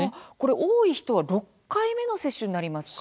多い人は６回目の接種になりますか。